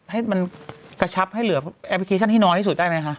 ให้มันกระชับให้เหลือแอปพลิเคชันให้น้อยที่สุดได้ไหมคะ